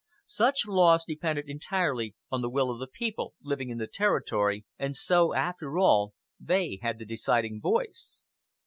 Such laws depended entirely on the will of the people living in the Territory, and so, after all, they had the deciding voice.